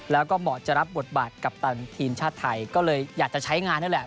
แล้วก็เหมาะจะรับบทบาทกัปตันทีมชาติไทยก็เลยอยากจะใช้งานนั่นแหละ